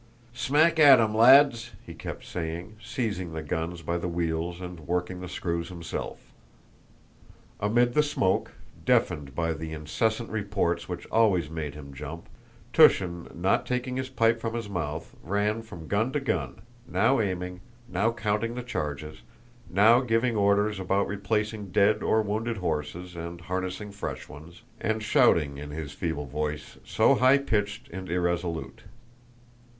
"Smack at 'em, lads!" he kept saying, seizing the guns by the wheels and working the screws himself. Amid the smoke, deafened by the incessant reports which always made him jump, Túshin not taking his pipe from his mouth ran from gun to gun, now aiming, now counting the charges, now giving orders about replacing dead or wounded horses and harnessing fresh ones, and shouting in his feeble voice, so high pitched and irresolute.